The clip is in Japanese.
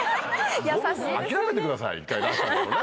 諦めてください一回出したものはね